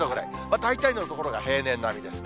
大体の所が平年並みですね。